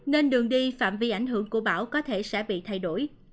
nên đường đi phạm vi ảnh hưởng của bão có thể sẽ bị thay đổi